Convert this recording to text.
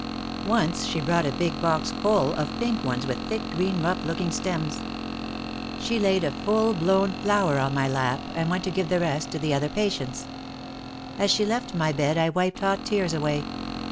Once she brought a big box full of pink ones with thick green rough looking stems. She laid a full blown flower on my lap and went to give the rest to the other patients. As she left my bed I wiped hot tears away.